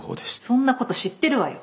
そんなこと知ってるわよ！